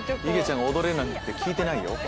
いげちゃんが踊れるなんて聞いてないよ。